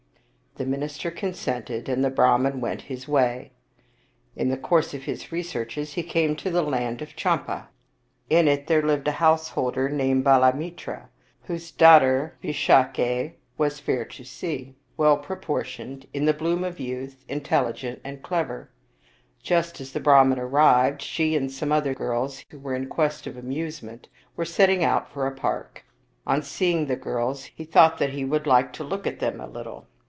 The minister consented, and the Brahman went his way. In the course of his researches he came to the land of Champa. In it there lived a householder named Balamitra, whose daughter Visakha was fair to see, well proportioned, 49 Oriental Mystery Stories in the bloom of youth, intelligent and clever. Just as the Brahman arrived, she and some other girls who were in quest of amusement were setting out for a park. On seeing the girls, he thought that he would like to look at them a little.